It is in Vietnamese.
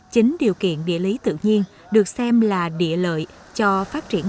chính điều kiện địa lý tự nhiên được xem là địa lợi cho phát triển